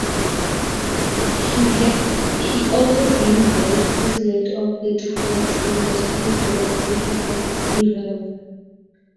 He also been vice president of the Defence Industries Organization of Iran.